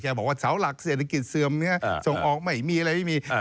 บอกว่าเสาหลักเศรษฐกิจเสื่อมเนื้อส่งออกไม่มีอะไรไม่มี